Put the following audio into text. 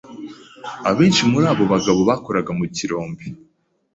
Abenshi muri abo bagabo bakoraga mu kirombe.